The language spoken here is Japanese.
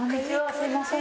すいません。